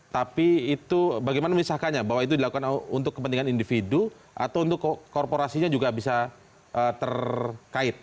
tapi itu bagaimana memisahkannya bahwa itu dilakukan untuk kepentingan individu atau untuk korporasinya juga bisa terkait